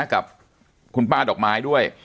กับคุณป้าดอกไม้ด้วย